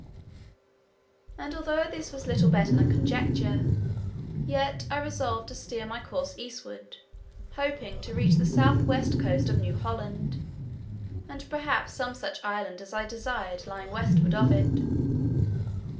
And although this were little better than conjecture, yet I resolved to steer my course eastward, hoping to reach the south west coast of New Holland, and perhaps some such island as I desired lying westward of it.